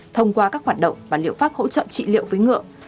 thông qua các hoạt động và liệu pháp hỗ trợ trị liệu với ngựa